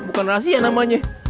bukan rahasia namanya